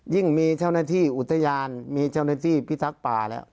มีเจ้าหน้าที่อุทยานมีเจ้าหน้าที่พิทักษ์ป่าแล้ว